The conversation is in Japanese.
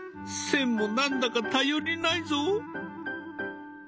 線も何だか頼りないぞ。